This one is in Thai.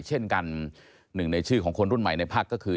เช่นกันหนึ่งในชื่อของคนรุ่นใหม่ในพักก็คือ